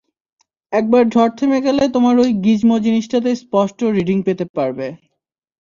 একবার ঝড় থেমে গেলে তোমার ওই গিজমো জিনিসটাতে স্পষ্ট রিডিং পেতে পারবে।